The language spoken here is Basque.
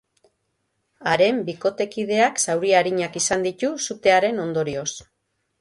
Haren bikotekideak zauri arinak izan ditu sutearen ondorioz.